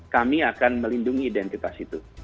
kami akan melindungi identitas itu